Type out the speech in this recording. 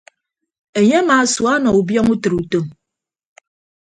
Enye amaasua ọnọ ubiọñ utịre utom.